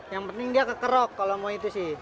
yang penting dia kekerok kalau mau itu sih